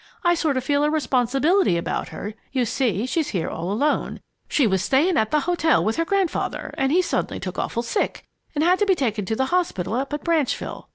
I sort of feel a responsibility about her. You see, she's here all alone. She was staying at the hotel with her grandfather, and he suddenly took awful sick and had to be taken to the hospital up at Branchville.